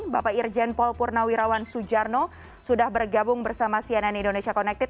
bapak irjen paul purnawirawan sujarno sudah bergabung bersama cnn indonesia connected